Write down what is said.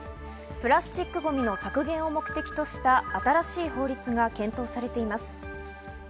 プラスチックごみの削減を目的とした新しい法律が検討されています。